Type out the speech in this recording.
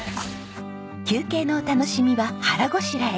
休憩のお楽しみは腹ごしらえ。